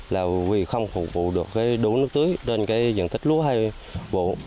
là vì không phục vụ được cái đủ nước tưới trên cái diện tích lúa hay vụ